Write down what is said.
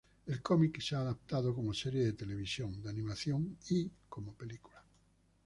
El cómic se ha adaptado como serie de televisión, de animación y como película.